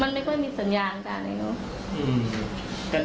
มันไม่ค่อยมีสัญญาณกันเลยเนอะ